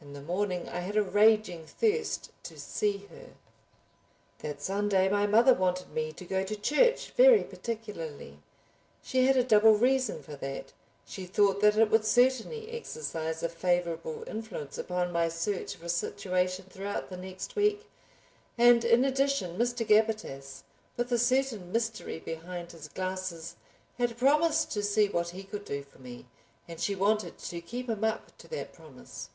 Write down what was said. In the morning I had a raging thirst to see her. That Sunday my mother wanted me to go to church very particularly. She had a double reason for that; she thought that it would certainly exercise a favorable influence upon my search for a situation throughout the next week, and in addition Mr. Gabbitas, with a certain mystery behind his glasses, had promised to see what he could do for me, and she wanted to keep him up to that promise.